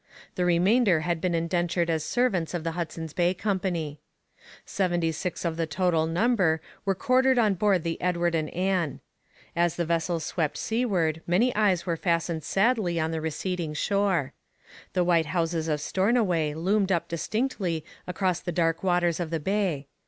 The remainder had been indentured as servants of the Hudson's Bay Company. Seventy six of the total number were quartered on board the Edward and Ann. As the vessels swept seaward many eyes were fastened sadly on the receding shore. The white houses of Stornoway loomed up distinctly across the dark waters of the bay.